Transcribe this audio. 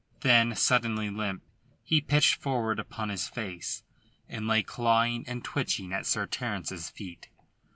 Then, suddenly limp, he pitched forward upon his face, and lay clawing and twitching at Sir Terence's feet.